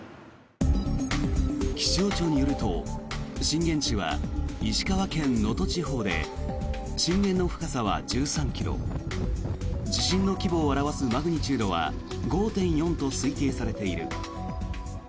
気象庁によると震源地は石川県能登地方で震源の深さは１３ｋｍ地震の規模を表すマグニチュードは５．４と推定されている。